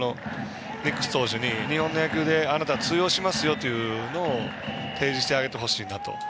ニックス投手に日本の野球であなたは通じますよと提示してあげてほしいなと。